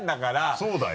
そうだよ。